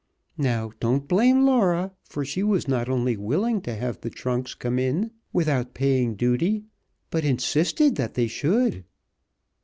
Now, don't blame Laura, for she was not only willing to have the trunks come in without paying duty, but insisted that they should."